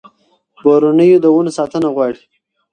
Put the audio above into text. بورنېو د ونو ساتنه غواړي.